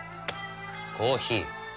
コーヒー。